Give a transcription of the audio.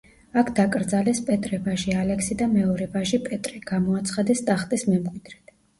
აქ დაკრძალეს პეტრე ვაჟი ალექსი და მეორე ვაჟი პეტრე გამოაცხადეს ტახტის მემკვიდრედ.